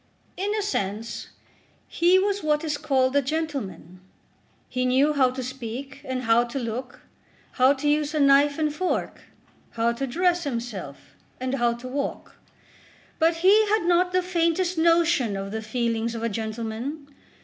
In a sense he was what is called a gentleman. He knew how to speak, and how to look, how to use a knife and fork, how to dress himself, and how to walk. But he had not the faintest notion of the feelings of a gentleman.